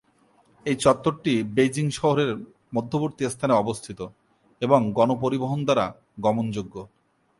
এই চত্বরটি বেইজিং শহরের মধ্যবর্তী স্থানে অবস্থিত এবং গণপরিবহন দ্বারা গমণযোগ্য।